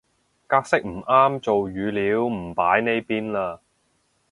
格式唔啱做語料唔擺呢邊嘞